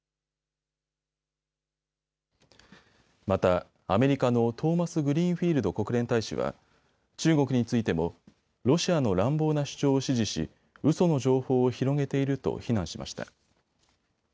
また、アメリカのトーマスグリーンフィールド国連大使は中国についてもロシアの乱暴な主張を支持しうその情報を広げていると非難しました。